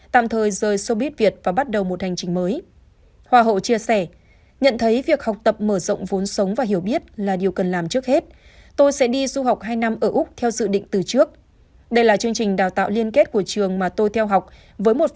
tạm thời rời soviet việt và bắt đầu một hành trình mới